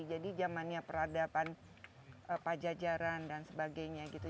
jadi zamannya peradaban pajajaran dan sebagainya gitu